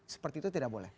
seperti itu tidak boleh